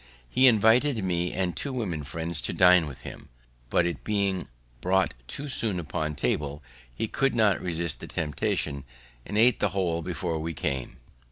He invited me and two women friends to dine with him; but, it being brought too soon upon table, he could not resist the temptation, and ate the whole before we came.